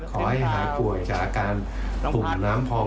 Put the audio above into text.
ขอให้หายป่วยจากอาการปุ่มน้ำพอง